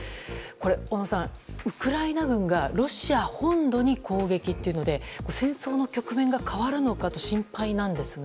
小野さん、ウクライナ軍がロシア本土に攻撃というので戦争の局面が変わるのかと心配なんですが。